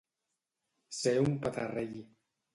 Ser un petarrell.